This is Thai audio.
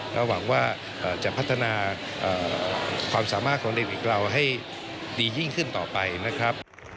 ก็หวังว่าจะพัฒนาความสามารถของเด็กอีกเราให้ดียิ่งขึ้นต่อไปนะครับ